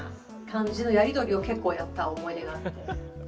感じのやり取りを結構やった思い出があって。